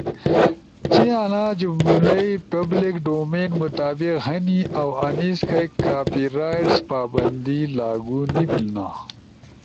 چی انا جملئی پبلک ڈومین مطابق ہنی اؤ انیس کئی کاپی رائٹس پابندی لاگو نی بیلنا۔